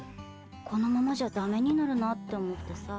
このままじゃダメになるなと思ってさ。